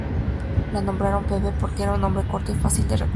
Lo nombraron "Pepe" porque era un nombre corto y fácil de recordar.